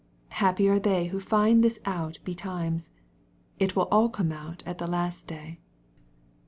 Happy are they who find this out be iimes. It will aU come out at the last day.